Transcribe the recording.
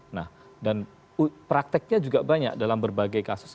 nah dan prakteknya juga banyak dalam berbagai kasus